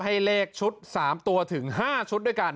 ให้เลขชุด๓ตัวถึง๕ชุดด้วยกัน